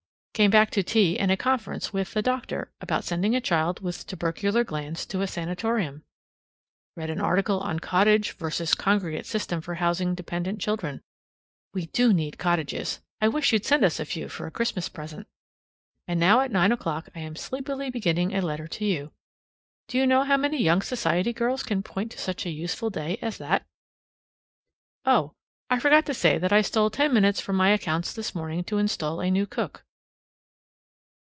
Came back to tea and a conference with the doctor about sending a child with tubercular glands to a sanatorium. Read an article on cottage VERSUS congregate system for housing dependent children. (We do need cottages! I wish you'd send us a few for a Christmas present.) And now at nine o'clock I'm sleepily beginning a letter to you. Do you know many young society girls who can point to such a useful day as that? Oh, I forgot to say that I stole ten minutes from my accounts this morning to install a new cook.